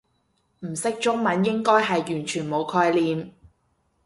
唔識中文應該係完全冇概念